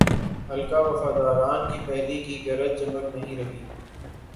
حلقۂ وفاداران کی پہلے کی گرج چمک نہیںرہی۔